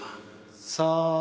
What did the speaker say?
さあ。